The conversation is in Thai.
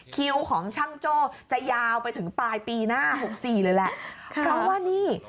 คิวของช่างโจ้จะยาวไปถึงปลายปีหน้าหกสี่เลยแหละเพราะว่านี่